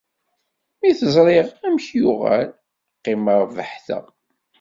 Mi t-ẓriɣ amek yuɣal, qqimeɣ behteɣ